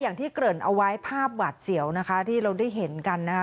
อย่างที่เกริ่นเอาไว้ภาพหวาดเสียวนะคะที่เราได้เห็นกันนะคะ